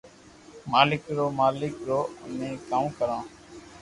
مالڪ رو مالڪ رو امي ڪاو ڪرو